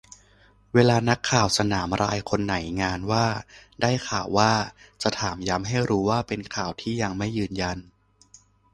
เวลานักข่าวสนามรายคนไหนงานว่า "ได้ข่าวว่า" จะถามย้ำให้รู้ว่าเป็นข่าวที่ยังไม่ยืนยัน